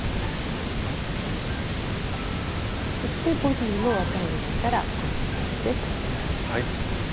そしてボディーも綿を入れたらコの字とじでとじます。